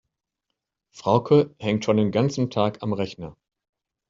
Frauke hängt schon den ganzen Tag am Rechner.